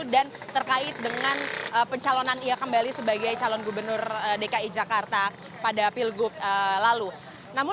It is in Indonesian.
dan terkait dengan pencalonan ia kembali sebagai calon gubernur dki jakarta pada pilgub lalu